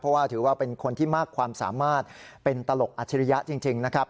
เพราะว่าถือว่าเป็นคนที่มากความสามารถเป็นตลกอัจฉริยะจริงนะครับ